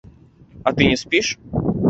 А ты не спіш?